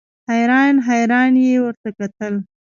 حیران حیران یې ورته کتل.